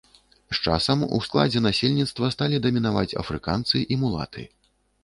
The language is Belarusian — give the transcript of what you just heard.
З часам у складзе насельніцтва сталі дамінаваць афрыканцы і мулаты.